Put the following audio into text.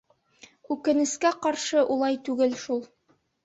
Үкенескә ҡаршы, улай түгел шул.